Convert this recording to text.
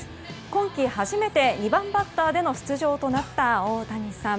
今季初めて２番バッターでの出場となった大谷さん。